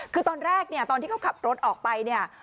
คือตอนแรกเนี่ยตอนที่เขาขับรถออกไปเนี่ย